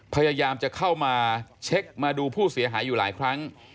พยายามจะเข้ามาเช็คมาดูผู้เสียหายอยู่หลายครั้ง